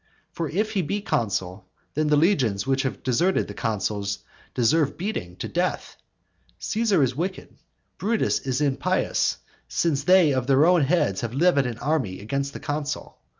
For if he be consul, then the legions which have deserted the consul deserve beating to death. Caesar is wicked, Brutus is impious, since they of their own heads have levied an army against the consul.